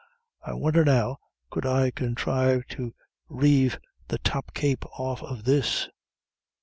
I won'er, now, could I conthrive to reive the top cape off of this.